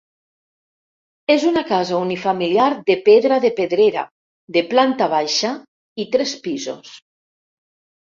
És una casa unifamiliar de pedra de pedrera de planta baixa i tres pisos.